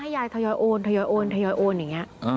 ยายทยอยโอนทยอยโอนทยอยโอนอย่างนี้